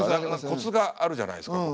コツがあるじゃないですか。